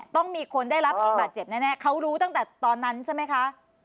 ต้องมีคนได้รับบาดเจ็บแน่เขารู้ตั้งแต่ตอนนั้นใช่ไหมคะ